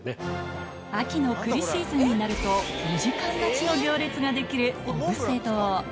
秋の栗シーズンになると５時間待ちの行列ができる小布施堂